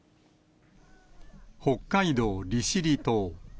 北海道利尻島。